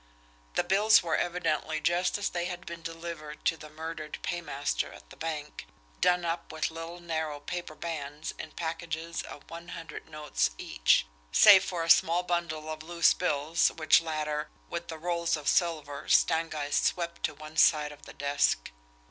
The bills were evidently just as they had been delivered to the murdered paymaster at the bank, done up with little narrow paper bands in packages of one hundred notes each, save for a small bundle of loose bills which latter, with the rolls of silver, Stangeist swept to one side of the desk.